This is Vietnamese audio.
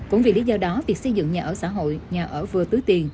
cũng vì lý do đó việc xây dựng nhà ở xã hội nhà ở vừa tứ tiền